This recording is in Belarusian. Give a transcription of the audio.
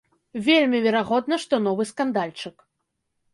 Вельмі верагодна, што новы скандальчык.